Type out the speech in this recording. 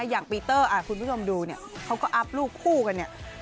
อย่างปีเตอร์คุณผู้ชมดูเนี่ยเขาก็อัพรูปคู่กันเนี่ย